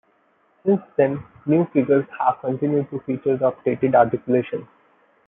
Since then, new figures have continued to feature the updated articulation.